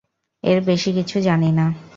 এর বেশি কিছু জানি না।